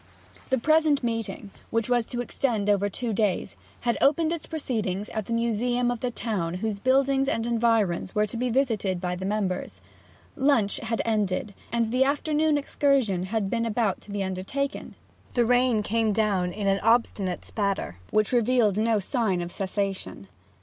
The present meeting, which was to extend over two days, had opened its proceedings at the museum of the town whose buildings and environs were to be visited by the members. Lunch had ended, and the afternoon excursion had been about to be undertaken, when the rain came down in an obstinate spatter, which revealed no sign of cessation.